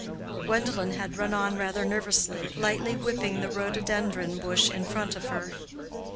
Gwendolen had run on rather nervously, lightly whipping the rhododendron bush in front of her.